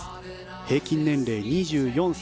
平均年齢２４歳。